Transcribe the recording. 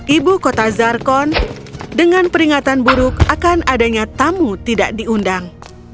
ibu kota zarkon dengan peringatan buruk akan adanya tamu tidak diundang